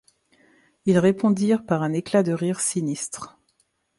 Ils répondirent par un éclat de rire sinistre.